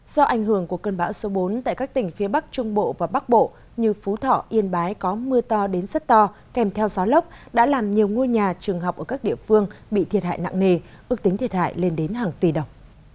do ảnh hưởng của cơn bão số bốn tại các tỉnh phía bắc trung bộ và bắc bộ như phú thọ yên bái có mưa to đến rất to kèm theo gió lốc đã làm nhiều ngôi nhà trường học ở các địa phương bị thiệt hại nặng nề ước tính thiệt hại lên đến hàng tỷ đồng